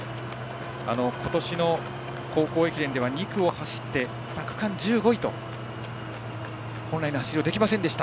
今年の高校駅伝では２区を走って区間１５位と本来の走りはできませんでした。